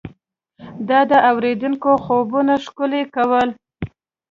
دا د اورېدونکو خوبونه ښکلي کول.